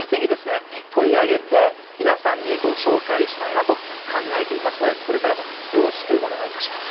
取り上げて皆さんにご紹介したいなと考えていますのでこれからもよろしくお願いいたします。